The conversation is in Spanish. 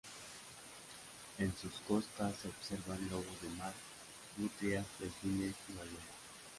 En sus costas se observan lobos de mar, nutrias, delfines y ballenas.